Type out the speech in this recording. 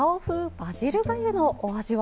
バジルがゆのお味は。